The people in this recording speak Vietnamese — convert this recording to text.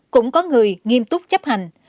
cũng có người nghiêm túc chấp hành